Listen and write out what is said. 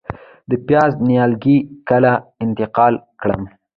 د پیاز نیالګي کله انتقال کړم؟